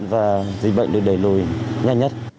và dịch bệnh được đẩy lùi nhanh nhất